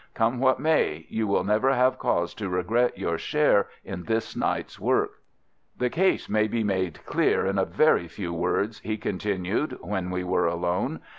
Come what may, you will never have cause to regret your share in this night's work. "The case may be made clear in a very few words," he continued, when we were alone.